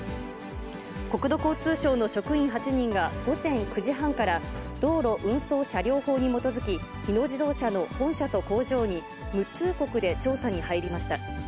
国土交通省の職員８人が、午前９時半から、道路運送車両法に基づき、日野自動車の本社と工場に、無通告で調査に入りました。